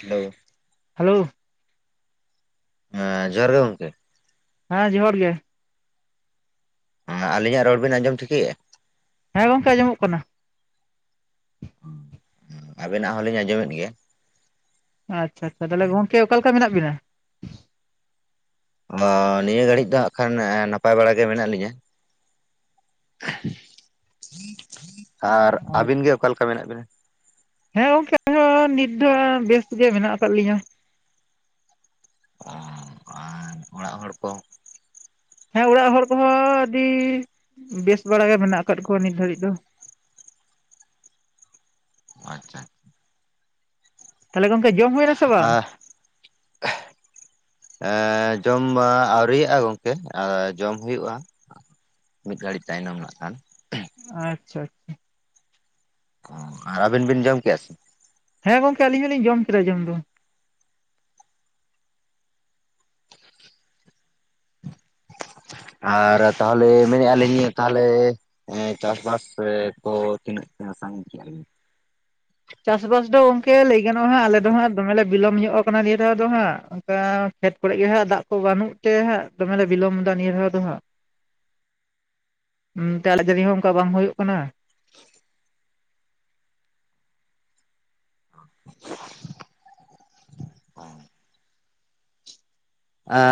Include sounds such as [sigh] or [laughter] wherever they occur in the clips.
Hello hello ᱦᱮᱸ ᱡᱚᱦᱟᱨ ᱜᱮ ᱜᱚᱝᱠᱮ᱾ ᱦᱮᱸ ᱡᱚᱦᱟᱨ ᱜᱮ᱾ ᱟᱹᱞᱤᱧᱟᱜ ᱨᱚᱲ ᱵᱤᱱ ᱟᱸᱡᱚᱢ ᱴᱷᱤᱠᱮᱭᱮᱭᱟ? ᱦᱮᱸ ᱜᱚᱝᱠᱮ ᱟᱸᱡᱚᱢᱚᱜ ᱠᱟᱱᱟ᱾ ᱟᱵᱮᱱᱟᱜ ᱦᱚᱞᱤᱧ ᱟᱸᱡᱚᱢᱮᱫ ᱜᱮᱭᱟ᱾ ᱟᱪᱪᱷᱟ ᱟᱪᱪᱷᱟ, ᱛᱟᱦᱚᱞᱮ ᱜᱚᱝᱠᱮ ᱚᱠᱟ ᱞᱮᱠᱟ ᱢᱮᱱᱟᱜ ᱵᱤᱱᱟ? ᱚᱻ ᱱᱤᱭᱟᱹ ᱜᱷᱟᱹᱲᱤᱡ ᱫᱚ ᱦᱟᱸᱜ ᱠᱷᱟᱱ ᱱᱟᱯᱟᱭ ᱵᱟᱲᱟ ᱜᱮ ᱢᱮᱱᱟᱜ ᱞᱤᱧᱟ᱾ ᱟᱨ ᱟᱵᱤᱱ ᱜᱮ ᱚᱠᱟᱞᱮᱠᱟ ᱢᱮᱱᱟᱜ ᱵᱤᱱᱟ? ᱦᱮᱸ ᱜᱚᱝᱠᱮ ᱱᱤᱛ ᱫᱚ ᱵᱮᱥ ᱜᱮ ᱢᱮᱱᱟᱜ ᱟᱠᱟᱫ ᱞᱤᱧᱟ᱾ ᱟᱨ ᱚᱲᱟᱜ ᱦᱚᱲ ᱠᱚ? ᱦᱮᱸ ᱚᱲᱟᱜ ᱦᱚᱲ ᱠᱚᱦᱚᱸ ᱟᱹᱰᱤ ᱵᱮᱥ ᱵᱟᱲᱟ ᱜᱮ ᱢᱮᱱᱟᱜ ᱟᱠᱟᱫ ᱠᱚᱣᱟ ᱱᱤᱛ ᱜᱷᱟᱹᱲᱤᱡ ᱫᱚ᱾ ᱟᱪᱪᱷᱟ᱾ ᱛᱟᱦᱚᱞᱮ ᱜᱚᱢᱠᱮ ᱡᱚᱢ ᱦᱩᱭᱮᱱᱟ ᱥᱮ ᱵᱟᱝ? ᱟᱦ [unintelligible] ᱮ ᱻᱻ ᱡᱚᱢ ᱟᱹᱣᱨᱤᱭᱟᱜ-ᱟ ᱜᱚᱝᱠᱮ ᱡᱚᱢ ᱦᱩᱭᱩᱜ-ᱟ᱾ ᱢᱤᱫ ᱜᱷᱟᱹᱲᱤᱡ ᱛᱟᱭᱱᱚᱢ ᱦᱟᱸᱜ ᱠᱷᱟᱱ᱾ ᱟᱪᱪᱷᱟ ᱟᱪᱪᱷᱟ, ᱚ ᱟᱨ ᱟᱹᱵᱤᱱ ᱵᱤᱱ ᱡᱚᱢ ᱠᱮᱜ-ᱟ ᱥᱮ? ᱦᱮᱸ ᱜᱚᱝᱠᱮ ᱟᱹᱞᱤᱧ ᱦᱚᱸᱞᱤᱧ ᱡᱚᱢ ᱠᱮᱫᱟ ᱡᱚᱢ ᱫᱚ᱾ ᱟᱨ ᱛᱟᱦᱚᱞᱮ ᱢᱮᱱᱮᱫ-ᱟ ᱞᱤᱧ ᱛᱟᱦᱚᱞᱮ ᱦᱮᱸ ᱪᱟᱥᱵᱟᱥ ᱨᱮ ᱠᱚ ᱛᱤᱱᱟᱹᱜ ᱯᱮ ᱥᱟᱺᱜᱤᱧ ᱠᱮᱟ ᱵᱤᱱ? ᱪᱟᱥᱵᱟᱥ ᱫᱚ ᱜᱚᱝᱠᱮ ᱞᱟᱹᱭ ᱜᱟᱱᱚᱜᱼᱟ ᱦᱟᱸᱜ ᱟᱞᱮ ᱫᱚ ᱦᱟᱸᱜ ᱫᱚᱢᱮ ᱞᱮ ᱵᱤᱞᱚᱢ ᱧᱚᱜ ᱟᱠᱟᱱᱟ ᱱᱤᱭᱟᱹ ᱫᱷᱟᱶ ᱫᱚ ᱦᱟᱸᱜ, ᱚᱱᱠᱟ ᱠᱷᱮᱛ ᱠᱚᱨᱮᱜ ᱜᱮ ᱦᱟᱸᱜ ᱫᱟᱜ ᱠᱚ ᱵᱟᱹᱱᱩᱜ ᱛᱮ ᱦᱟᱸᱜ ᱫᱚᱢᱮᱞᱮ ᱵᱤᱞᱚᱢ ᱮᱫᱟ ᱱᱤᱭᱟᱹ ᱫᱷᱟᱣ ᱫᱚ ᱦᱟᱸᱜ᱾ [unintelligible] ᱟᱱᱛᱮ ᱫᱟᱜ ᱡᱟᱲᱤ ᱦᱚᱸ ᱚᱱᱠᱟ ᱵᱟᱝ ᱦᱳᱭᱳᱜ ᱠᱟᱱᱟ᱾ [unintelligible] [unintelligible]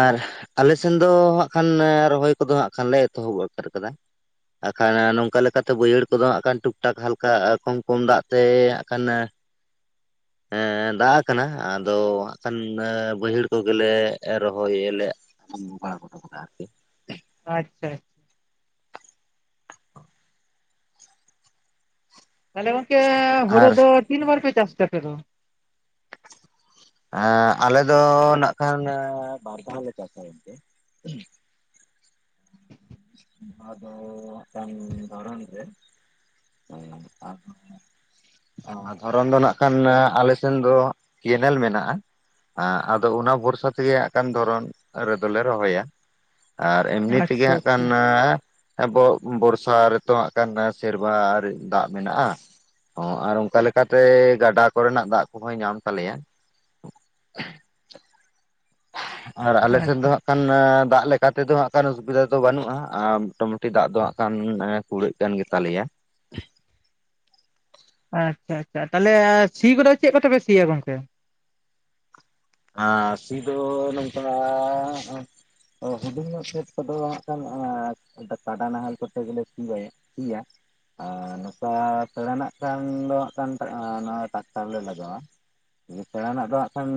ᱟᱨ ᱟᱞᱮ ᱥᱮᱱ ᱫᱚ ᱦᱟᱸᱜ ᱠᱷᱟᱱ ᱨᱚᱦᱚᱭ ᱠᱚᱫᱚ ᱦᱟᱸᱜ ᱠᱷᱟᱱᱞᱮ ᱮᱛᱚᱦᱚᱵ ᱩᱛᱟᱹᱨ ᱟᱠᱟᱫᱟ᱾ ᱦᱟᱜ ᱠᱷᱟᱱ ᱱᱚᱝᱠᱟ ᱞᱮᱠᱟᱛᱮ ᱵᱟᱹᱭᱦᱟᱹᱲ ᱠᱚᱫᱚ ᱦᱟᱜ ᱠᱷᱟᱱ ᱴᱩᱠ ᱴᱟᱠ ᱦᱟᱞᱠᱟ ᱠᱚᱢ ᱠᱚᱢ ᱫᱟᱜ ᱛᱮ ᱦᱟᱸᱜ ᱠᱷᱟᱱ ᱫᱟᱜ ᱠᱟᱱᱟ ᱟᱫᱚ ᱦᱟᱸᱜ ᱠᱷᱟᱱ ᱵᱟᱹᱭᱦᱟᱹᱲ ᱠᱚᱜᱮᱞᱮ ᱨᱚᱦᱚᱭ ᱟᱞᱮ [unintelligible] [unintelligible] ᱛᱟᱦᱚᱞᱮ ᱜᱚᱢᱠᱮ ᱦᱳᱲᱳ ᱟᱨ ᱫᱚ ᱛᱤᱱ ᱵᱟᱨ ᱯᱮ ᱪᱟᱥ ᱛᱮ ᱟᱯᱮ ᱫᱚ? ᱮᱸ ᱟᱞᱮ ᱫᱚ ᱱᱟᱜ ᱠᱷᱟᱱ ᱵᱟᱨ ᱫᱷᱟᱣᱞᱮ ᱪᱟᱥᱟ ᱜᱳᱢᱠᱮ᱾ [inaudible] ᱫᱷᱚᱨᱚᱱ ᱫᱚ ᱱᱟᱜ ᱠᱷᱟᱱ ᱟᱞᱮᱥᱱ ᱫᱚ ᱠᱮᱱᱮᱞ ᱢᱮᱱᱟᱜᱼᱟ ᱾ ᱦᱸ ᱟᱫᱚ ᱚᱱᱟ ᱵᱷᱚᱨᱥᱟ ᱛᱮᱜᱮ ᱦᱟᱸᱜ ᱠᱟᱱᱟᱱ ᱫᱷᱚᱨᱚᱱ ᱨᱮᱫᱚᱞᱮ ᱨᱚᱦᱚᱭᱟ᱾ ᱟᱨ ᱮᱢᱱᱤ ᱛᱮᱜᱮ ᱟᱪᱪᱷᱟ ᱦᱟᱸᱜ ᱟᱪᱪᱷᱟ ᱦᱮᱸ ᱵᱚᱨᱥᱟ ᱨᱮᱛᱚ ᱦᱟᱜ ᱠᱟᱱ ᱥᱮᱨᱵᱟᱨ ᱫᱟᱜ ᱢᱮᱱᱟᱜᱼᱟ᱾ ᱚ ᱟᱨ ᱚᱱᱠᱟ ᱞᱮᱠᱟᱛᱮ ᱜᱟᱰᱟ ᱠᱚᱨᱮᱱᱟᱜ ᱫᱟᱜ ᱠᱚᱦᱚᱸᱭ ᱧᱟᱢ ᱛᱟᱞᱮᱭᱟ᱾ ᱟᱨ ᱟᱞᱮ ᱥᱮᱫ ᱟᱪᱪᱷᱟ ᱫᱚ ᱠᱷᱟᱱ ᱫᱟᱜ ᱞᱮᱠᱟᱛᱮᱫᱚ ᱦᱟᱸᱜ ᱠᱷᱟᱱ ᱚᱥᱩᱵᱤᱫᱟ ᱫᱚ ᱵᱟᱹᱱᱩᱜᱼᱟ, ᱟᱨ ᱢᱚᱴᱟᱢᱩᱴᱤ ᱫᱟᱜ ᱫᱚ ᱦᱟᱸᱜ ᱠᱷᱟᱱ ᱠᱩᱲᱟᱹᱜ ᱠᱟᱱ ᱜᱮ ᱛᱟᱞᱮᱭᱟ ᱾ ᱟᱪᱪᱷᱟ ᱟᱪᱪᱷᱟ, ᱛᱟᱦᱚᱞᱮ ᱥᱤ ᱠᱚᱫᱚ ᱪᱮᱫ ᱠᱚᱛᱮ ᱯᱮ ᱥᱤᱭᱟ ᱜᱚᱝᱠᱮ? ᱟᱨ ᱥᱤ ᱫᱚ ᱱᱚᱝᱠᱟ ᱦᱩᱰᱤᱝ ᱧᱚᱜ ᱠᱷᱮᱫ ᱠᱚᱫᱚ ᱱᱟᱜ ᱠᱷᱟᱱ ᱠᱟᱰᱟ ᱱᱟᱦᱮᱞ ᱠᱚᱛᱮ ᱜᱮᱞᱮ ᱥᱤ ᱵᱟᱭᱟ᱾ ᱤᱭᱟ ᱟᱨ ᱱᱚᱝᱠᱟ ᱯᱮᱬᱮᱱᱟᱜ ᱠᱷᱟᱱ ᱫᱚ ᱦᱟᱜ ᱠᱷᱟᱱ ᱴᱨᱟᱠᱴᱟᱨ ᱞᱮ ᱞᱟᱜᱟᱣᱟ᱾ ᱯᱮᱬᱟᱱᱟᱜ ᱫᱚ ᱦᱟᱜ ᱠᱷᱟᱱ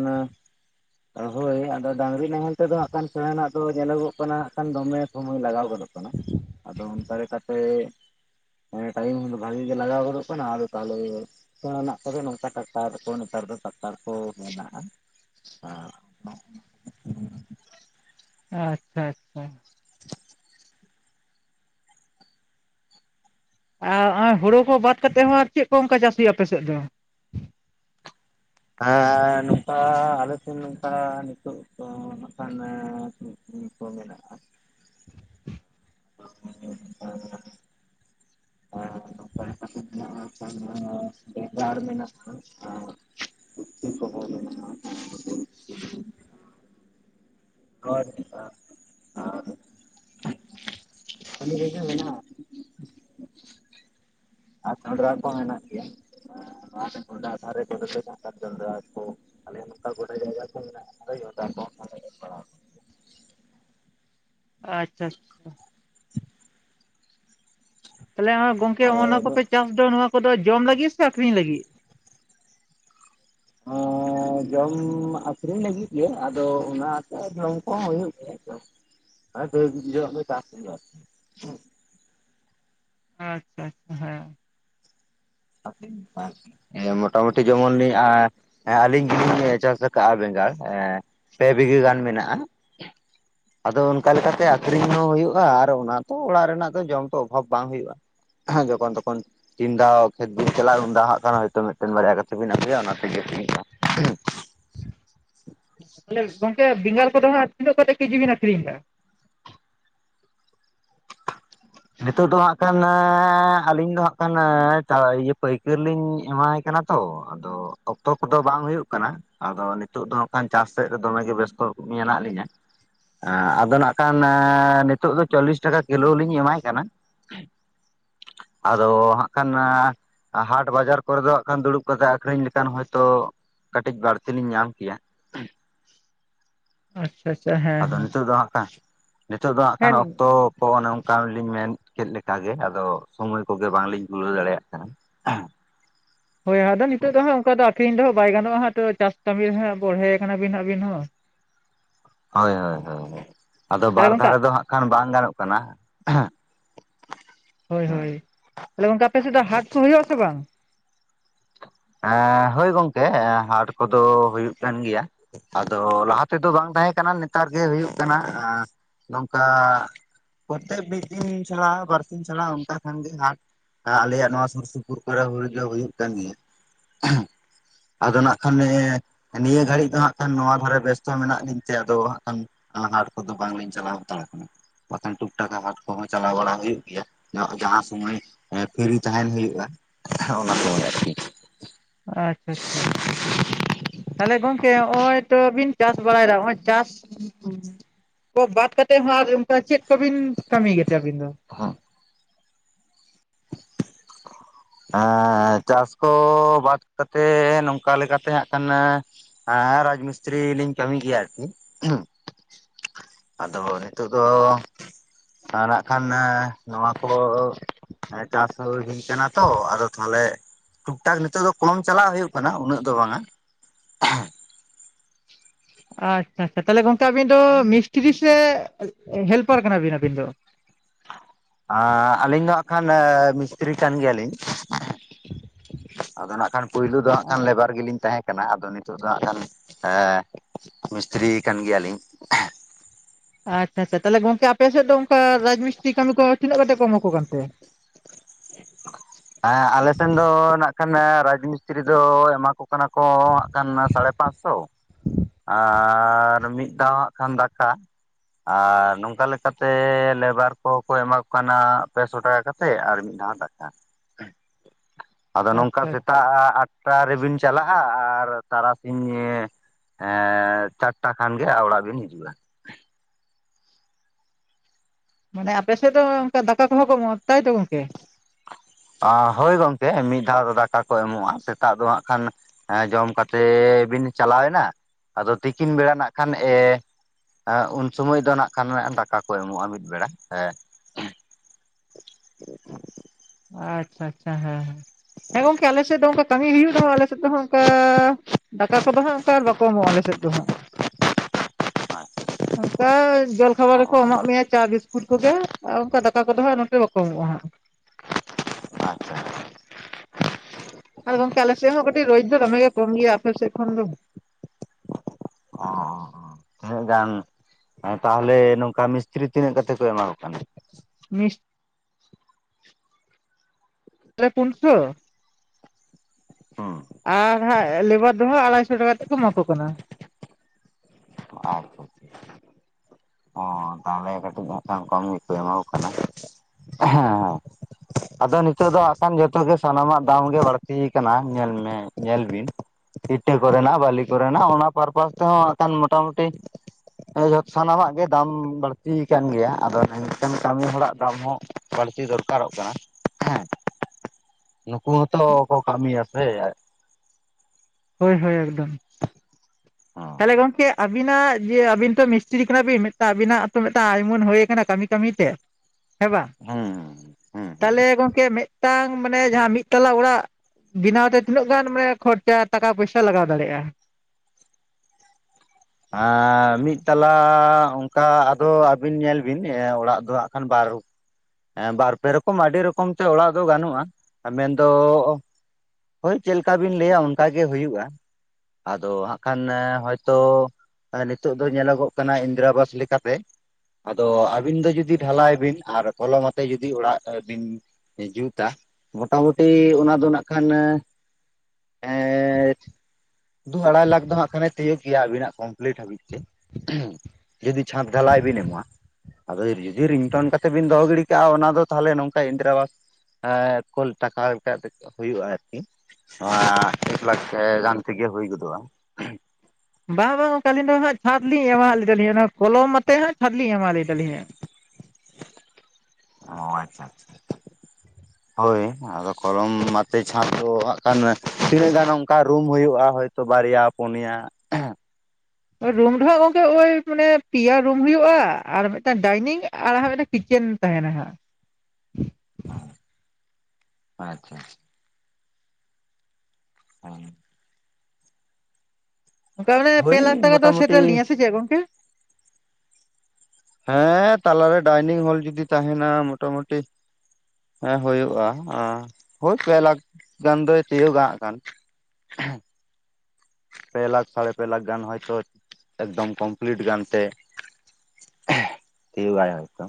ᱦᱳᱭ ᱟᱫᱚ ᱰᱟᱝᱨᱤ ᱱᱟᱦᱮᱞ ᱛᱮᱫᱚ ᱦᱟᱜ ᱠᱷᱟᱱ ᱥᱮᱬᱟᱱᱟᱜ ᱫᱚ ᱧᱮᱞᱚᱜᱚᱜ ᱠᱟᱱᱟ ᱦᱟᱜ ᱠᱷᱟᱱ ᱫᱚᱢᱮ ᱥᱚᱢᱚᱭ ᱞᱟᱜᱟᱣ ᱜᱚᱫᱚᱜ ᱠᱟᱱᱟ᱾ ᱟᱫᱚ ᱚᱱᱠᱟ ᱞᱮᱠᱟᱛᱮ ᱦᱮᱸ ᱴᱟᱭᱤᱢ ᱵᱷᱟᱜᱤ ᱜᱮ ᱞᱟᱜᱟᱣ ᱜᱚᱫᱚᱜ ᱠᱟᱱᱟ ᱟᱫᱚ ᱛᱟᱦᱚᱞᱮ ᱥᱮᱲᱟᱱᱟᱜ ᱠᱚᱫᱚ ᱱᱚᱝᱠᱟ ᱴᱟᱠᱴᱟᱨ ᱠᱚ ᱱᱮᱛᱟᱨ ᱫᱚ ᱴᱟᱠᱴᱟᱨ ᱠᱚ ᱢᱮᱱᱟᱜ-ᱟ᱾ ᱟᱻᱱᱚ ᱟᱪᱪᱷᱟ ᱟᱪᱪᱷᱟ ᱟᱨ ᱱᱚᱜᱚᱭ ᱦᱳᱲᱩ ᱠᱚ ᱵᱟᱫ ᱠᱟ ᱠᱟᱛᱮᱫ ᱦᱚᱸ ᱟᱨ ᱪᱮᱫ ᱠᱚ ᱚᱱᱠᱟ ᱪᱟᱥ ᱦᱩᱭᱩᱜ-ᱟ ᱟᱯᱮ ᱥᱮᱫ ᱫᱚ᱾ ᱟᱻ ᱱᱚᱝᱠᱟ ᱟᱞᱮ ᱥᱮᱱ ᱱᱚᱝᱠᱟ ᱱᱤᱛᱳ ᱫᱚ ᱦᱟᱜ ᱠᱷᱟᱱ ᱤ ᱠᱚ ᱢᱮᱱᱟ [inaudible] [inaudible] ᱟᱨ ᱢᱮᱱᱟᱜ-ᱟ [unintelligible] [inaudible] [inaudible] ᱟᱨ ᱟ. ᱰᱤ ᱠᱤᱪᱷᱩ ᱢᱮᱱᱟᱜ ᱟ ᱟᱨ ᱡᱚᱱᱰᱨᱟ ᱠᱚ ᱢᱮᱱᱟᱜ ᱜᱮᱭᱟ ᱟᱨ ᱱᱚᱣᱟ ᱫᱟᱜ ᱫᱷᱟᱨᱮ ᱠᱚᱨᱮ ᱛᱮᱫᱚ ᱡᱚᱱᱰᱨᱟ ᱠᱚ ᱟᱞᱮᱭᱟᱜ ᱜᱚᱴ ᱡᱟᱭᱜᱟ ᱠᱚ ᱢᱮᱱᱟᱜ [inaudible] ᱟᱪᱪᱷᱟ ᱟᱪᱪᱷᱟ ᱛᱟᱦᱚᱞᱮ ᱜᱚᱝᱠᱮ ᱱᱚᱜ ᱚᱱᱟ ᱠᱚᱯᱮ ᱪᱟᱥ ᱮᱫᱟ ᱱᱚᱣᱟ ᱠᱚᱫᱚ ᱡᱚᱢ ᱞᱟᱹᱜᱤᱫ ᱥᱮ ᱟᱠᱷᱨᱤᱧ, ᱞᱟᱹᱜᱤᱫ? ᱚᱸᱻ ᱡᱚᱢ ᱟᱠᱷᱨᱤᱧ ᱞᱟᱹᱜᱤᱫ ᱜᱮ ᱟᱫᱚ ᱚᱱᱟᱛᱮ ᱡᱚᱢ ᱠᱚᱦᱚᱸ ᱦᱩᱭᱩᱜ ᱜᱮᱭᱟ ᱛᱚ ᱾ ᱦᱮᱸ ᱛᱤᱡᱮᱨ ᱪᱟᱥ ᱟᱪᱪᱷᱟ ᱟᱪᱪᱷᱟ ᱦᱮᱸ ᱟᱵᱤᱱ ᱯᱟᱥ [unintelligible] ᱢᱚᱴᱟᱢᱩᱴᱤ ᱡᱮᱢᱚᱱ ᱞᱤᱧ ᱟ ᱟᱹᱞᱤᱧ ᱜᱮᱞᱤᱧ ᱪᱟᱥ ᱟᱠᱟᱫ-ᱟ ᱵᱮᱸᱜᱟᱲ ᱮᱻ ᱯᱮ ᱵᱤᱜᱷᱟᱹ ᱜᱟᱱ ᱢᱮᱱᱟᱜ-ᱟ᱾ ᱟᱫᱚ ᱚᱱᱠᱟ ᱞᱮᱠᱟᱛᱮ ᱟᱠᱷᱨᱤᱧ ᱦᱚᱸ ᱦᱩᱭᱩᱜ-ᱟ᱾ ᱟᱨ ᱚᱱᱟ ᱛᱚ ᱚᱲᱟᱜ ᱨᱮᱱᱟᱜ ᱫᱚ ᱡᱚᱢ ᱛᱚ ᱚᱵᱷᱟᱵᱽ ᱵᱟᱝ ᱦᱩᱭᱩᱜ-ᱟ᱾ ᱦᱮᱸ ᱡᱚᱠᱷᱚᱱ ᱛᱚᱠᱷᱚᱱ ᱛᱤᱱᱫᱷᱟᱣ ᱠᱷᱮᱛ ᱵᱤᱧ ᱪᱟᱞᱟ ᱩᱢᱫᱟ ᱦᱟᱜ ᱠᱟᱱᱟ ᱢᱤᱫ ᱴᱮᱱ ᱢᱤᱫ ᱴᱮᱱ ᱵᱟᱨᱭᱟ ᱠᱟᱛᱮ ᱵᱮᱱ ᱟᱹᱜᱩᱭᱟ ᱚᱱᱟ ᱛᱮᱜᱮ [inaudible] ᱛᱟᱦᱚᱞᱮ ᱜᱚᱝᱠᱮ ᱵᱮᱜᱟᱲ ᱠᱚᱫᱚ ᱦᱟᱸᱜ ᱛᱤᱱᱟᱜ ᱠᱟᱛᱮ ᱠᱮᱡᱤ ᱵᱤᱱ ᱟᱹᱠᱷᱨᱤᱧ ᱫᱟ? ᱱᱤᱛᱚᱜ ᱫᱚ ᱦᱟᱜ ᱠᱷᱟᱱ ᱟᱹᱞᱤᱧ ᱫᱚ ᱦᱟᱸᱜ ᱠᱷᱟᱱ ᱤᱭᱟᱹ ᱯᱟᱹᱭᱠᱟᱹᱨ ᱞᱤᱧ ᱮᱢᱟᱭ ᱠᱟᱱᱟ ᱛᱚ ᱟᱫᱚ ᱚᱠᱛᱚ ᱠᱚᱫᱚ ᱵᱟᱝ ᱦᱩᱭᱩᱜ ᱠᱟᱱᱟ᱾ ᱟᱫᱚ ᱱᱤᱛᱳᱜ ᱫᱚ ᱠᱷᱟᱱ ᱪᱟᱥ, ᱥᱮᱫ ᱨᱮ ᱫᱚᱢᱮ ᱜᱮ ᱵᱮᱥᱛᱚ ᱢᱮᱱᱟᱜ ᱞᱤᱧᱟ ᱦᱮᱸ ᱟᱫᱚ ᱱᱟᱜ ᱠᱷᱟᱱ ᱱᱤᱛᱳᱜ ᱫᱚ ᱪᱚᱞᱞᱤᱥ ᱴᱟᱠᱟ ᱠᱤᱞᱳ ᱞᱤᱧ ᱮᱢᱟᱭ ᱠᱟᱱᱟ ᱟᱫᱚ ᱦᱟᱸᱜ ᱠᱷᱟᱱᱟᱜ ᱦᱟᱴ ᱵᱟᱡᱟᱨ ᱠᱚᱨᱮ ᱫᱚ ᱠᱷᱟᱱ ᱫᱩᱲᱩᱵ, ᱠᱟᱛᱮ ᱟᱠᱷᱨᱤᱧ ᱞᱮᱠᱷᱟᱱ ᱦᱚᱭᱛᱳ ᱠᱟᱹᱴᱤᱡ ᱵᱟᱹᱲᱛᱤ ᱞᱤᱧ ᱧᱟᱢ ᱠᱮᱭᱟ᱾ ᱟᱪᱪᱷᱟ ᱟᱪᱪᱷᱟ ᱦᱮᱸ ᱟᱫᱚ ᱦᱮᱸ ᱱᱤᱛᱳᱜ ᱫᱚ ᱦᱟᱸᱜ ᱠᱷᱟᱱ ᱱᱤᱛᱳᱜ ᱫᱚ ᱦᱟᱸᱜ ᱠᱷᱟᱱ ᱦᱮᱸ ᱚᱠᱛᱚ ᱠᱚ ᱚᱱᱮ ᱚᱱᱠᱟᱱ ᱨᱮ [unintelligible] ᱢᱮᱱ ᱠᱮᱫ ᱞᱮᱠᱟᱜᱮ ᱟᱫᱚ ᱥᱚᱢᱚᱭ ᱠᱚᱜᱮ ᱵᱟᱝᱞᱤᱧ ᱠᱷᱩᱞᱟᱹᱣ ᱫᱟᱲᱮᱭᱟᱜ ᱠᱟᱱᱟ᱾ ᱦᱳᱭ ᱟᱫᱚ ᱱᱤᱛᱚᱜ ᱫᱚ ᱦᱟᱸᱜ ᱚᱱᱠᱟ ᱫᱚ ᱟᱹᱠᱷᱨᱤᱧ ᱫᱚᱦᱟᱜ ᱵᱟᱭ ᱜᱟᱱᱚᱜ-ᱟ ᱦᱟᱜ ᱛᱚ ᱪᱟᱥ ᱠᱟᱹᱢᱤ ᱨᱮ ᱦᱟᱜ ᱵᱚᱲᱦᱮ ᱭᱟᱠᱟᱱᱟ ᱵᱤᱱ ᱦᱟᱜ ᱟᱵᱤᱱ ᱦᱚᱸ ᱦᱳᱭ ᱦᱳᱭ ᱦᱳᱭ ᱟᱫᱚ ᱛᱟᱦᱚᱞᱮ ᱵᱟᱨ ᱜᱚᱝᱠᱮ ᱫᱷᱟᱨᱮ ᱫᱚ ᱦᱟᱸᱜ ᱠᱷᱟᱱ ᱵᱟᱝ ᱜᱟᱱᱚᱜ ᱠᱟᱱᱟ ᱦᱳᱭ ᱦᱳᱭ ᱛᱟᱦᱚᱞᱮ ᱜᱚᱝᱠᱮ ᱟᱯᱮ ᱥᱮᱫ ᱫᱚ ᱦᱟᱴ ᱠᱚ ᱦᱩᱭᱩᱜ ᱟᱥᱮ ᱵᱟᱝ? ᱮᱸ ᱦᱳᱭ ᱜᱚᱝᱠᱮ ᱦᱟᱴ ᱠᱚᱫᱚ ᱦᱩᱭᱩᱜ ᱠᱟᱱ ᱜᱮᱭᱟ ᱟᱫᱚ ᱞᱟᱦᱟ ᱛᱮᱫᱚ ᱵᱟᱝ ᱛᱟᱦᱮᱸ ᱠᱟᱱᱟ ᱱᱮᱛᱟᱨ ᱜᱮ ᱦᱩᱭᱩᱜ ᱠᱟᱱᱟ ᱱᱚᱝᱠᱟ ᱯᱚᱛᱮᱯ ᱢᱤᱫ ᱫᱤᱱ ᱪᱟᱞᱟᱜ-ᱟ, ᱵᱟᱨ ᱫᱤᱧ ᱪᱟᱞᱟᱜ-ᱟ, ᱚᱱᱠᱟ ᱠᱷᱟᱱ ᱜᱮ ᱦᱟᱴ ᱟᱞᱮᱭᱟᱜ ᱱᱚᱣᱟ ᱥᱩᱨ ᱥᱩᱯᱩᱨ ᱠᱚᱨᱮ ᱦᱩᱭ ᱦᱩᱭᱩᱜ ᱠᱟᱱ ᱜᱮᱭᱟ ᱟᱫᱚ ᱱᱟᱜ ᱠᱷᱟᱱᱞᱮ ᱱᱤᱭᱟᱹ ᱜᱷᱟᱹᱲᱤᱡ ᱫᱚ ᱦᱟᱸᱜ ᱠᱷᱟᱱ ᱱᱚᱣᱟ ᱠᱚᱨᱮ ᱵᱮᱥᱛᱚ ᱢᱮᱱᱟᱜ ᱞᱤᱧ ᱛᱮ ᱾ ᱟᱫᱚ ᱦᱟᱸᱜ ᱠᱷᱟᱱ ᱦᱟ-ᱦᱟᱴ ᱠᱚᱫᱚ ᱵᱟᱝᱞᱤᱧ ᱪᱟᱞᱟᱣ ᱦᱟᱛᱟᱲ ᱟᱠᱟᱱᱟ ᱾ ᱵᱟᱠᱷᱟᱱ ᱴᱩᱠ ᱴᱟᱠᱟ ᱦᱟᱴ ᱠᱚᱦᱚᱸ ᱪᱟᱞᱟᱣ ᱵᱟᱲᱟ ᱦᱩᱭᱩᱜ ᱜᱮᱭᱟ ᱾ ᱡᱟᱦᱟᱸ ᱥᱚᱢᱚᱭ ᱦᱮᱸ ᱯᱷᱤᱨᱤ ᱛᱟᱦᱮᱱ ᱦᱩᱭᱩᱜ-ᱟ᱾ ᱚᱱᱟ ᱠᱚ ᱯᱚᱨᱮ ᱟᱨᱠᱤ ᱾ ᱟᱪᱪᱷᱟ ᱟᱪᱪᱷᱟ ᱾ ᱛᱟᱦᱚᱞᱮ ᱜᱚᱝᱠᱮ ᱱᱚᱜ-ᱚᱭ ᱛᱚ ᱵᱤᱱ ᱪᱟᱥ ᱵᱟᱲᱟ ᱭᱮᱫᱟ ᱾ ᱱᱚᱜ-ᱚᱭ ᱪᱟᱥ ᱠᱚ ᱵᱟᱫ ᱠᱟᱛᱮᱫ ᱦᱚᱸ ᱟᱨ ᱚᱱᱠᱟ ᱪᱮᱫ ᱠᱚᱵᱤᱱ ᱠᱟᱹᱢᱤ ᱜᱮᱛᱮ ᱟᱹᱵᱤᱱ ᱫᱚ? ᱦᱚᱜ [inaudible] ᱮᱸᱻ ᱪᱟᱥ ᱠᱚ ᱵᱟᱫ ᱠᱟᱛᱮᱜ ᱱᱚᱝᱠᱟ ᱞᱮᱠᱟᱛᱮ ᱦᱟᱜ ᱠᱷᱟᱱᱟ ᱦᱮᱸᱻ ᱨᱟᱡᱽ ᱢᱤᱥᱛᱨᱤ ᱞᱤᱧ ᱠᱟᱹᱢᱤ ᱜᱮᱭᱟ ᱟᱨᱠᱤ ᱾ ᱟᱫᱚ ᱱᱤᱛᱚᱜ ᱫᱚ ᱟᱨ ᱱᱟᱜ ᱠᱷᱟᱱ ᱱᱚᱣᱟ ᱠᱚ ᱪᱟᱥ ᱦᱚᱭ ᱤᱫᱤᱜ ᱠᱟᱱᱟ ᱛᱚ, ᱟᱫᱚ ᱛᱟᱦᱚᱞᱮ ᱴᱩᱠ ᱴᱟᱠ ᱱᱤᱛᱚᱜ ᱫᱚ ᱠᱚᱢ ᱪᱟᱞᱟᱜ ᱦᱩᱭᱩᱜ ᱠᱟᱱᱟ ᱩᱱᱟᱹᱜ ᱫᱚ ᱵᱟᱝ-ᱟ᱾ [inaudible] [inaudible] ᱟᱪᱪᱷᱟ ᱟᱪᱪᱷᱟ ᱛᱟᱦᱚᱞᱮ ᱜᱚᱝᱠᱮ ᱟᱵᱤᱱ ᱫᱚ ᱢᱤᱥᱛᱨᱤ ᱥᱮ ᱦᱮᱞᱯᱟᱨ ᱠᱟᱱᱟᱵᱤᱱ ᱟᱹᱵᱤᱱ ᱫᱚ? ᱟᱹᱞᱤᱧ ᱫᱚ ᱦᱟᱸᱜ ᱠᱷᱟᱱ ᱢᱤᱥᱛᱨᱤ ᱠᱟᱱ ᱜᱮᱭᱟ ᱞᱤᱧ ᱾ ᱟᱫᱚ ᱱᱟᱜ ᱠᱷᱟᱱ ᱯᱳᱭᱞᱳ ᱫᱚ ᱦᱟᱜ ᱠᱷᱟᱱ ᱞᱮᱵᱟᱨ ᱜᱮᱞᱤᱧ ᱛᱟᱦᱮᱸ ᱠᱟᱱᱟ᱾ ᱟᱫᱚ ᱱᱤᱛᱳᱜ ᱱᱤᱛᱚᱜ ᱫᱚ ᱦᱟᱸᱜ ᱠᱟᱱ ᱮ ᱢᱤᱥᱛᱨᱤ ᱠᱟᱱ ᱜᱮᱭᱟ ᱞᱤᱧ ᱾ ᱟᱪᱪᱷᱟ ᱟᱪᱪᱷᱟ ᱾ ᱛᱟᱦᱚᱞᱮ ᱜᱚᱝᱠᱮ ᱟᱯᱮ ᱥᱮᱫ ᱫᱚ ᱚᱱᱠᱟ ᱨᱟᱡᱽ ᱢᱤᱥᱛᱨᱤ ᱠᱟᱹᱢᱤ ᱠᱚ ᱛᱤᱱᱟᱹᱜ ᱠᱟᱛᱮ ᱠᱚ ᱮᱢᱟ ᱠᱚ ᱠᱟᱱᱛᱮ? [inaudible] ᱦᱮᱸ ᱟᱞᱮ ᱥᱮᱱ ᱫᱚ ᱱᱟᱜ ᱠᱷᱟᱱ ᱨᱟᱡᱽ ᱢᱤᱥᱛᱨᱤ ᱫᱚ ᱮᱢᱟ ᱠᱚ ᱠᱟᱱᱟ ᱠᱚ ᱦᱟᱜ ᱠᱷᱟᱱ ᱥᱟᱲᱮ ᱯᱟᱸᱪᱥᱳ ᱟᱨ ᱢᱤᱫ ᱫᱷᱟᱣ ᱦᱟᱸᱜ ᱠᱷᱟᱱ ᱫᱟᱠᱟ ᱾ ᱟᱨ ᱱᱚᱝᱠᱟ ᱞᱮᱠᱟᱛᱮ ᱞᱮᱵᱟᱨ ᱠᱚᱦᱚ ᱠᱚ ᱮᱢᱟ ᱠᱚ ᱠᱟᱱᱟ ᱯᱮ ᱥᱚ ᱴᱟᱠᱟ ᱠᱟᱛᱮᱜ ᱾ ᱟᱨ ᱢᱤᱫ ᱡᱟᱸᱦᱟ ᱴᱟᱠᱟ ᱟᱫᱚ ᱱᱚᱝᱠᱟ ᱟᱪᱪᱷᱟ ᱟᱪᱪᱷᱟ ᱥᱮᱛᱟᱜ ᱟᱴ ᱴᱟ ᱨᱮᱵᱤᱱ ᱪᱟᱞᱟᱜᱼᱟ ᱟᱨ ᱛᱟᱨᱟᱥᱤᱧ ᱦᱮᱸ ᱪᱟᱴᱴᱟ ᱠᱷᱟᱱ ᱜᱮ ᱦᱟᱸᱜ ᱚᱲᱟᱜ ᱵᱤᱱ ᱦᱤᱡᱩᱜᱼᱟ ᱾ ᱢᱟᱱᱮ ᱟᱯᱮ ᱥᱮᱫ ᱫᱚ ᱚᱱᱮ ᱚᱝᱠᱟ ᱫᱟᱠᱟ ᱠᱚᱦᱚᱸ ᱠᱚ ᱮᱢᱚᱜᱼᱟ ᱛᱟᱭᱛᱚ ᱜᱚᱝᱠᱮ? ᱟ ᱦᱚᱭ ᱜᱚᱝᱠᱮ ᱢᱤᱫ ᱫᱷᱟᱣ ᱫᱚ ᱫᱟᱠᱟ ᱠᱚ ᱮᱢᱚᱜᱼᱟ ᱾ ᱥᱮᱛᱟᱜ ᱫᱚ ᱦᱟᱸᱜ ᱠᱷᱟᱱ ᱦᱮᱸ ᱡᱚᱢ ᱠᱟᱛᱮᱻᱜ ᱵᱤᱱ ᱪᱟᱞᱟᱣᱮᱱᱟ, ᱟᱫᱚ ᱛᱤᱠᱤᱱ ᱵᱮᱲᱟ ᱱᱟᱜ ᱠᱷᱟᱱ ᱮ ᱦᱮᱸ ᱩᱱ ᱥᱚᱢᱚᱭ ᱫᱚ ᱱᱟᱜ ᱠᱷᱟᱱ ᱮ ᱫᱟᱠᱟ ᱠᱚ ᱮᱢᱚᱜᱼᱟ ᱢᱤᱫ ᱵᱮᱲᱟ ᱦᱮᱸ ᱾ [inaudible] ᱟᱪᱪᱷᱟ ᱟᱪᱪᱷᱟ ᱦᱮᱸ ᱾ ᱦᱮᱸᱜᱚᱝᱠᱮ ᱟᱞᱮ ᱥᱮᱫ ᱫᱚ ᱚᱝᱠᱟ ᱠᱟᱹᱢᱤ ᱦᱩᱭᱩᱜ ᱨᱮᱦᱚᱸ ᱟᱞᱮ ᱥᱮᱫ ᱫᱚ ᱦᱟᱸᱜ ᱚᱝᱠᱟ ᱫᱟᱠᱟ ᱠᱚᱫᱚ ᱦᱟᱸᱜ ᱚᱝᱠᱟ ᱟᱨ ᱵᱟᱠᱚ ᱮᱢᱚᱜᱼᱟ ᱟᱞᱮ ᱥᱮᱫ ᱫᱚ ᱦᱟᱸᱜ ᱾ [unintelligible] ᱚᱝᱠᱟ ᱡᱚᱞ ᱠᱷᱟᱵᱟᱨ ᱜᱮᱠᱚ ᱚ ᱮᱢᱟᱜ ᱢᱮᱭᱟ ᱪᱟ ᱵᱤᱥᱠᱩᱴ ᱠᱚᱜᱮ ᱟᱨ ᱚᱝᱠᱟ ᱫᱟᱠᱟ ᱠᱚᱫᱚ ᱦᱟᱸᱜ ᱱᱚᱛᱮ ᱫᱚ ᱵᱟᱠᱚ ᱮᱢᱚᱜᱼᱟ ᱦᱟᱸᱜ ᱾ ᱟᱪᱪᱷᱟ ᱟᱪᱪᱷᱟ᱾ ᱟᱫᱚ ᱜᱚᱝᱠᱮ ᱟᱞᱮ ᱥᱮᱫ ᱦᱚᱸ ᱠᱟᱹᱴᱤᱡ ᱨᱳᱡᱽ ᱫᱚᱢᱮ ᱜᱮ ᱠᱚᱢ ᱜᱮᱭᱟ ᱟᱯᱮ ᱥᱮᱫ ᱠᱷᱚᱱ ᱫᱚ ᱾ ᱚᱸᱻ ᱛᱤᱱᱟᱹᱜ ᱜᱟᱱ, ᱛᱟᱦᱚᱞᱮ ᱱᱚᱝᱠᱟ ᱢᱤᱥᱛᱨᱤ ᱛᱤᱱᱟᱹᱜ ᱠᱟᱛᱮᱜ ᱠᱚ ᱮᱢᱟ ᱠᱚ ᱠᱟᱱᱟ? ᱢᱤᱥ [unintelligible] [inaudible] ᱟᱨ ᱦᱟᱸᱜ ᱞᱮᱵᱟᱨ ᱫᱚ ᱦᱟᱸᱜ ᱟᱲᱟᱭ ᱥᱚ ᱴᱟᱠᱟ ᱠᱟᱛᱮᱜ ᱠᱚ ᱮᱢᱟ ᱠᱚ ᱠᱟᱱᱟ ᱾ [unintelligible] ᱚᱻ ᱛᱟᱦᱞᱮ ᱠᱟᱹᱴᱤᱡ ᱦᱟᱸᱜ ᱠᱷᱟᱱ ᱠᱚᱢ ᱜᱮᱠᱚ ᱮᱢᱟ ᱠᱚ ᱠᱟᱱᱟ ᱦᱮᱸ᱾ ᱟᱫᱚ ᱱᱤᱛᱚᱜ ᱫᱚ ᱟᱜ ᱠᱷᱟᱱ ᱡᱚᱛᱚ ᱜᱮ ᱥᱟᱱᱟᱢᱟᱜ ᱫᱟᱢ ᱜᱮ ᱵᱟᱹᱲᱛᱤᱣ ᱠᱟᱱᱟ ᱧᱮᱞ ᱢᱮ ᱧᱮᱞ ᱵᱤᱱ ᱾ ᱤᱴᱟᱹ ᱠᱚᱨᱮᱱᱟᱜ ᱵᱟᱞᱤ ᱠᱚᱨᱮᱱᱟᱜ ᱚᱱᱟ ᱯᱟᱨᱯᱟᱥ ᱛᱮᱦᱚᱸ ᱦᱟᱸᱜ ᱠᱷᱟᱱ ᱢᱚᱴᱟ-ᱢᱩᱴᱤ ᱦᱮᱸ ᱡᱷᱚᱛ ᱥᱟᱱᱟᱢᱟᱜᱼᱼ ᱜᱮ ᱫᱟᱢ ᱵᱟᱹᱲᱛᱤ ᱠᱟᱱ ᱜᱮᱭᱟ ᱟᱫᱚ ᱢᱮᱱ ᱠᱷᱟᱱ ᱠᱟᱹᱢᱤ ᱦᱚᱲᱟᱜ ᱫᱟᱢ ᱦᱚᱸ ᱵᱟᱹᱲᱛᱤ ᱫᱚᱨᱠᱟᱨᱚᱜ ᱠᱟᱱᱟ᱾ ᱦᱮᱸ ᱱᱩᱠᱩ ᱦᱚᱸᱛᱚ ᱠᱚ ᱠᱟᱹᱢᱤᱭᱟ ᱥᱮᱼᱼ ᱦᱳᱭ ᱦᱳᱭ ᱮᱠᱫᱚᱢ ᱦᱩᱸ ᱛᱟᱞᱦᱮ ᱜᱚᱝᱠᱮ ᱟᱹᱵᱤᱱᱟᱜ ᱡᱮ ᱟᱹᱵᱤᱱ ᱛᱚ ᱢᱤᱥᱛᱨᱤ ᱠᱟᱱᱟ ᱵᱤᱱ ᱢᱤᱫᱴᱟᱝ ᱟᱵᱤᱱᱟᱜ ᱛᱚ ᱢᱤᱫᱴᱟᱝ ᱟᱭ ᱩᱢᱟᱱ ᱦᱳᱭ ᱠᱟᱱᱟ ᱠᱟᱹᱢᱤ ᱠᱟᱹᱢᱤ ᱛᱮᱼᱼ ᱦᱮᱸ ᱵᱟᱝ ᱦᱩᱸ ᱦᱩᱸ ᱛᱟᱦᱚᱞᱮ ᱜᱚᱝᱠᱮ ᱢᱮᱜᱴᱟᱝ ᱢᱟᱱᱮ ᱡᱟᱦᱟᱸ ᱢᱤᱫ ᱛᱟᱞᱟ ᱚᱲᱟᱜᱼᱼ ᱵᱮᱱᱟᱣ ᱛᱮ ᱛᱤᱱᱟᱹᱜ ᱜᱟᱱ ᱢᱟᱱᱮ ᱠᱷᱚᱨᱪᱟ ᱴᱟᱠᱟ ᱯᱚᱭᱥᱟ ᱞᱟᱜᱟᱣ ᱫᱟᱲᱮᱭᱟᱜᱼᱟ ᱟᱻ ᱢᱤᱫ ᱛᱟᱞᱟ ᱚᱝᱠᱟ ᱟᱫᱚ ᱟᱹᱵᱤᱱ ᱧᱮᱞ ᱵᱤᱱ ᱮᱸ ᱚᱲᱟᱜ ᱫᱚ ᱦᱟᱸᱜ ᱠᱷᱟᱱ ᱵᱟᱨ ᱼᱼ ᱵᱟᱨ ᱯᱮ ᱨᱚᱠᱚᱢ ᱟᱹᱰᱤ ᱨᱚᱠᱚᱢ ᱛᱮ ᱚᱲᱟᱜ ᱫᱚ ᱜᱟᱱᱚᱜᱼᱟ ᱢᱮᱱ ᱫᱚᱼᱼ ᱦᱳᱭ ᱪᱮᱜ ᱞᱮᱠᱟ ᱵᱤᱱ ᱞᱟᱹᱭᱟ ᱚᱱᱠᱟ ᱜᱮ ᱦᱩᱭᱩᱜᱼᱟ ᱟᱫᱚ ᱦᱟᱸᱜ ᱠᱷᱟᱱ ᱦᱳᱭ ᱛᱚᱼᱼ ᱦᱟᱱᱮ ᱱᱤᱛᱚᱜ ᱫᱚ ᱧᱮᱞᱚᱜᱚᱜ ᱠᱟᱱᱟ ᱤᱱᱫᱨᱟᱵᱟᱥ ᱞᱮᱠᱟ ᱛᱮᱼᱼ ᱟᱫᱚ ᱟᱹᱵᱤᱱ ᱫᱚ ᱡᱩᱫᱤ ᱰᱷᱟᱞᱟᱭ ᱵᱤᱱ ᱟᱨ ᱠᱚᱞᱚᱢ ᱟᱛᱮ ᱡᱩᱫᱤ ᱚᱲᱟᱜ ᱵᱤᱱᱼᱼ ᱡᱩᱛᱟ ᱢᱚᱴᱟᱢᱩᱴᱤ ᱚᱱᱟ ᱫᱚ ᱱᱟᱜ ᱠᱷᱟᱱ ᱮᱼᱼ ᱫᱩ ᱟᱲᱟᱭ ᱞᱟᱠᱷ ᱫᱚ ᱦᱟᱸᱜ ᱠᱷᱟᱱ ᱮ ᱛᱤᱭᱳᱜ ᱜᱮᱭᱟ ᱟᱵᱤᱱᱟᱜ ᱠᱚᱢᱯᱞᱤᱴ ᱦᱟᱹᱵᱤᱡ ᱛᱮ ᱡᱩᱫᱤ ᱪᱷᱟᱸᱫᱽ ᱰᱷᱟᱞᱟᱭ ᱵᱤᱱ ᱮᱢᱟ ᱟᱫᱚ ᱡᱩᱫᱤ ᱨᱤᱝᱴᱚᱱ ᱠᱟᱛᱮ ᱵᱤᱱ ᱫᱚᱦᱚ ᱜᱤᱰᱤ ᱠᱟᱜᱼᱟ ᱚᱱᱟ ᱫᱚ ᱛᱟᱦᱚᱞᱮ ᱱᱚᱝᱠᱟ ᱤᱱᱫᱨᱟ ᱵᱟᱥᱼᱼ ᱮ ᱠᱳᱞ ᱴᱟᱠᱟ [unintelligible] ᱦᱩᱭᱩᱜᱼᱟ ᱟᱨᱠᱤ ᱱᱚᱣᱟ ᱮᱠ ᱞᱟᱠᱷ ᱜᱟᱱ ᱛᱤᱜᱮ ᱦᱳᱭ ᱜᱚᱫᱚᱜᱼᱟ ᱵᱟᱝ [unintelligible] ᱟᱞᱤᱧ ᱫᱚ ᱱᱟᱸᱜ ᱪᱷᱟᱫ ᱞᱤᱧ ᱮᱢᱟᱜ [unintelligible] ᱠᱚᱞᱚᱢ ᱟᱛᱮ ᱦᱟᱸᱜ ᱪᱷᱟᱫᱽ ᱞᱤᱧ ᱮᱢᱟ ᱞᱟᱭ ᱫᱟᱞᱤᱧ ᱦᱟᱜ ᱚ ᱟᱪᱪᱷᱟ ᱟᱪᱪᱷᱟ ᱦᱳᱭ ᱟᱫᱚ ᱠᱚᱞᱚᱢ ᱟᱛᱮ ᱪᱷᱟᱸᱫ ᱫᱚ ᱦᱟᱸᱜ ᱠᱷᱟᱱ ᱛᱤᱱᱟᱹᱜ ᱜᱟᱱ ᱚᱝᱠᱟ ᱨᱩᱢ ᱦᱳᱭᱳᱜᱼᱟ ᱦᱳᱭ ᱛᱚ ᱛᱚ ᱵᱟᱨᱭᱟ ᱯᱩᱱᱭᱟ ᱨᱩᱢ ᱨᱮᱦᱚᱸ ᱜᱚᱝᱠᱮ ᱳᱭ ᱢᱟᱱᱮ ᱯᱮᱭᱟ ᱨᱩᱢ ᱦᱩᱭᱩᱜᱼᱟ ᱟᱨ ᱢᱤᱫᱴᱟᱝ ᱰᱟᱭᱱᱤᱝ ᱟᱨᱼᱼ ᱠᱤᱪᱮᱱ ᱛᱟᱦᱮᱱᱟ ᱦᱟᱸᱜ ᱚ ᱟᱪᱪᱷᱟ ᱟᱪᱪᱷᱟ [inaudible] ᱛᱟᱦᱞᱮ ᱯᱮ ᱦᱳᱭ ᱞᱟᱠᱷ ᱴᱟᱠᱟ ᱫᱚ ᱥᱮᱴᱮᱨ ᱢᱚᱴᱟᱢᱩᱴᱤ ᱞᱤᱧᱟ ᱥᱮ ᱪᱮᱫ ᱜᱚᱝᱠᱮ? ᱦᱮᱸ ᱛᱟᱞᱟ ᱨᱮ ᱰᱟᱭᱱᱤᱝ ᱦᱚᱞ ᱡᱩᱫᱤ ᱛᱟᱦᱮᱱᱟ ᱢᱚᱴᱟᱢᱩᱴᱤᱼᱼ ᱦᱮᱸ ᱦᱳᱭᱳᱜᱼᱟ ᱦᱳᱭ ᱯᱮ ᱞᱟᱠᱷ ᱜᱟᱱ ᱫᱚᱭ ᱛᱤᱭᱚᱜᱟ ᱟᱜ ᱠᱟᱱᱼᱼ [inaudible] ᱯᱮ ᱞᱟᱠᱷ ᱥᱟᱲᱮ ᱯᱮ ᱞᱟᱠᱷ ᱜᱟᱱ ᱦᱚᱭᱛᱚ ᱮᱠᱫᱚᱢ ᱠᱚᱢᱯᱞᱤᱴ ᱜᱟᱱ ᱛᱮᱼᱼ [unintelligible] ᱛᱤᱭᱩᱠ ᱟᱭ ᱦᱚᱭᱛᱚ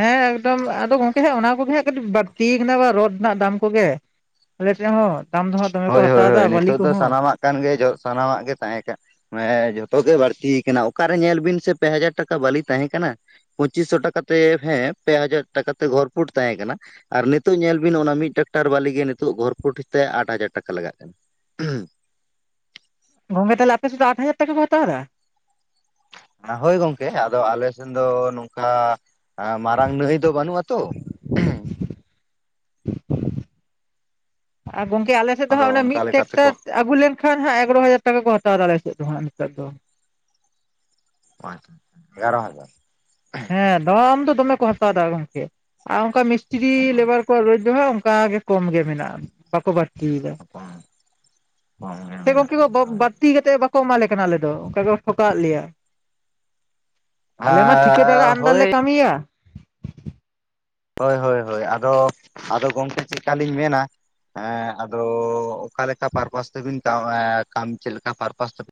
ᱦᱮᱸ ᱮᱠᱫᱚᱢ ᱟᱫᱚ ᱜᱚᱝᱠᱮ ᱦᱟᱸᱜ ᱚᱱᱟ ᱠᱚ ᱜᱮ ᱦᱟᱸᱜ ᱠᱟᱹᱴᱤᱡ ᱵᱟᱹᱲᱛᱤ ᱠᱟᱱᱟ ᱵᱟ ᱨᱚᱰ ᱨᱮᱱᱟᱜ ᱫᱟᱢ ᱠᱚ ᱜᱮᱼᱼ ᱟᱞᱮ ᱥᱮᱜ ᱦᱚᱸ ᱫᱟᱢ [unintelligible] ᱦᱳᱭ ᱦᱳᱭ ᱦᱳᱭ ᱮᱫᱟ ᱵᱟᱹᱞᱤ ᱱᱤᱛᱚᱜ ᱫᱚ ᱠᱚᱦᱚᱸ᱾ ᱥᱟᱱᱟᱢᱟᱜ ᱠᱟᱱ ᱜᱮ ᱡᱚᱜ ᱥᱟᱱᱟᱢᱟᱜ ᱜᱮ ᱛᱟᱦᱮᱸ ᱠᱟᱱᱼᱼ ᱦᱮᱸ ᱡᱷᱚᱛᱚ ᱜᱮ ᱵᱟᱹᱲᱛᱤ ᱠᱟᱱᱟ ᱚᱠᱟ ᱨᱮ ᱧᱮᱞ ᱵᱤᱱ ᱥᱮ ᱯᱮ ᱦᱟᱡᱟᱨ ᱴᱟᱠᱟ ᱵᱟᱹᱞᱤ ᱛᱟᱦᱮᱸ ᱠᱟᱱᱟ᱾ ᱯᱚᱸᱪᱤᱥ ᱥᱚ ᱴᱟᱠᱟ ᱛᱮ ᱦᱮᱸ ᱯᱮ ᱦᱟᱡᱟᱨ ᱴᱟᱠᱟ ᱛᱮ ᱜᱷᱚᱨᱯᱷᱩᱴ ᱛᱟᱦᱮᱸ ᱠᱟᱱᱟ᱾ ᱟᱨ ᱱᱤᱛᱚᱜ ᱧᱮᱞ ᱵᱤᱱ ᱚᱱᱟ ᱢᱤᱫ ᱴᱟᱠᱴᱟᱨ ᱵᱟᱞᱤ ᱜᱮ ᱱᱤᱛᱚᱜ ᱜᱷᱚᱨ ᱯᱷᱩᱴ ᱛᱮ ᱟᱴ ᱦᱟᱡᱟᱨᱼᱼ ᱴᱟᱠᱟ ᱞᱟᱜᱟᱜ ᱠᱟᱱᱟ᱾ ᱜᱚᱝᱠᱮ ᱛᱟᱞᱮ ᱟᱯᱮ ᱥᱮᱫ ᱫᱚ ᱟᱴ ᱦᱟᱡᱟᱨ ᱴᱟᱠᱟ ᱠᱚ ᱦᱟᱛᱟᱣᱫᱟ᱾ ᱦᱳᱭ ᱜᱚᱝᱠᱮ ᱟᱫᱚ ᱟᱞᱮ ᱥᱮᱱ ᱫᱚ ᱱᱚᱝᱠᱟᱼᱼ ᱦᱟᱸ ᱢᱟᱨᱟᱝ ᱱᱟᱹᱭ ᱫᱚ ᱵᱟᱹᱱᱩᱜ ᱟᱛᱚᱼᱼ ᱟᱸ ᱜᱚᱝᱠᱮ ᱟᱞᱮ ᱥᱮᱫ ᱫᱚ ᱟᱫᱚ ᱦᱟᱸᱜ ᱚᱱᱟ ᱢᱤᱫ ᱚᱱᱠᱟ ᱞᱮᱠᱟ ᱴᱮᱠᱴᱟᱨᱼᱼ ᱛᱮᱠᱚ ᱟᱹᱜᱩ ᱞᱮᱱ ᱠᱷᱟᱱ ᱦᱟᱸᱜ ᱮᱜᱟᱨᱳ ᱦᱟᱡᱟᱨ ᱴᱟᱠᱟ ᱠᱚ ᱦᱟᱛᱟᱣ ᱫᱟᱲᱮᱭᱟᱜ ᱟᱞᱮ ᱥᱮᱫ ᱫᱚ ᱦᱟᱸᱜ ᱱᱤᱛᱚᱜ ᱫᱚᱼᱼ [unintelligible] ᱮᱜᱟᱨᱚ ᱦᱟᱡᱟᱨ ᱦᱮᱸ ᱫᱟᱢ ᱫᱚ ᱫᱚᱢᱮ ᱠᱚ ᱦᱟᱛᱟᱣ ᱫᱟ ᱜᱚᱢᱠᱮ ᱟᱨ ᱚᱱᱠᱟ ᱢᱤᱥᱛᱨᱤ ᱞᱮᱵᱟᱨᱼᱼ [unintelligible] ᱫᱚ ᱦᱟᱸᱜ ᱚᱝᱠᱟ ᱜᱮ ᱠᱚᱢ ᱜᱮ ᱢᱮᱱᱟᱜᱼᱟ ᱵᱟᱠᱚ ᱼᱼ [unintelligible] ᱠᱚᱢ ᱠᱚᱢ ᱜᱮ ᱢᱮᱱᱟᱜᱼᱟ ᱵᱟᱹᱲᱛᱤ ᱠᱟᱛᱮᱼᱼ ᱠᱚ ᱮᱢᱟᱞᱮ ᱠᱟᱱᱟ ᱟᱞᱮ ᱫᱚ ᱚᱱᱠᱟ ᱦᱚᱠᱟᱜ ᱞᱮᱭᱟ᱾ [inaudible] ᱞᱟᱹᱭ ᱫᱟᱞᱮ ᱦᱳᱭ ᱟᱢᱫᱟᱞᱮ ᱠᱟᱹᱢᱤᱭᱟ᱾ ᱦᱳᱭ ᱦᱳᱭ ᱦᱳᱭ, ᱟᱫᱚ ᱟᱫᱚ ᱜᱚᱝᱠᱮ ᱪᱮᱠᱟᱞᱤᱧ ᱢᱮᱱᱟ ᱟᱫᱚ, ᱚᱠᱟ ᱞᱮᱠᱟ ᱯᱟᱨᱯᱟᱥ ᱛᱮᱵᱤᱱ ᱪᱮᱜ ᱞᱮᱠᱟ ᱯᱟᱨᱯᱟᱥ ᱛᱮᱵᱤᱱ᱾